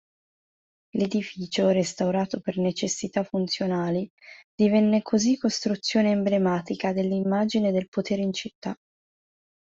L'edificio, restaurato per necessità funzionali, divenne così costruzione emblematica dell'immagine del potere in città.